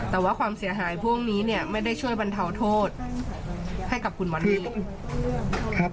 แต่ว่าความเสียหายพวกนี้เนี่ยไม่ได้ช่วยบรรเทาโทษให้กับคุณบอลเอง